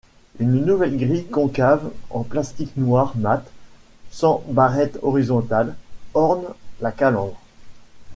Une nouvelle grille concave en plastique noir mat, sans barrettes horizontales, orne la calandre.